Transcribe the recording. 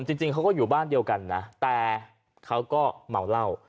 จริงเขาก็อยู่บ้านเดียวกันนะแต่เขาก็เมาเหล้า